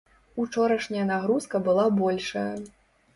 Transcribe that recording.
Учорашняя нагрузка была большая.